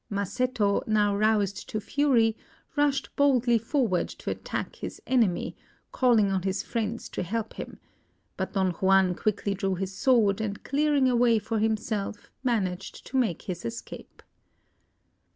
Masetto, now roused to fury, rushed boldly forward to attack his enemy, calling on his friends to help him; but Don Juan quickly drew his sword, and clearing a way for himself, managed to make his escape.